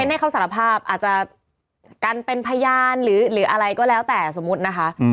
ให้เขาสารภาพอาจจะกันเป็นพยานหรืออะไรก็แล้วแต่สมมุตินะคะ